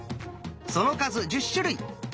その数１０種類。